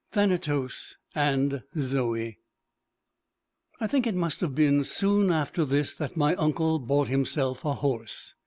THANATOS AND ZOE I think it must have been soon after this that my uncle bought himself a horse.